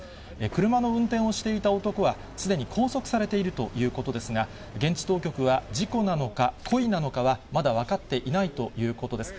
車の運転をしていた男は、すでに拘束されているということですが、現地当局は、事故なのか、故意なのかはまだ分かっていないということです。